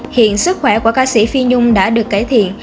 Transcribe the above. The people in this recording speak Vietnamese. hiện sức khỏe của ca sĩ phi nhung đã được cải thiện